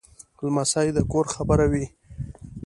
لمسی د کور خبره وي.